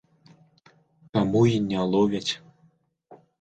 Таму і не ловяць!